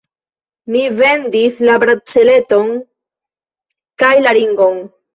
Mi vendis la braceleton kaj la ringon.